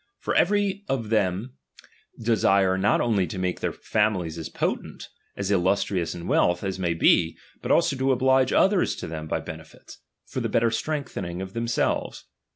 For every of them desire not only to make their famihes as potent, as illustrious in wealth, as may be, but also to oblige others to them by benefits, for the better strength ening of themselves.